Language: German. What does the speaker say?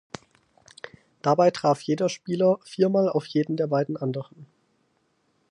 Dabei traf jeder Spieler viermal auf jeden der beiden anderen.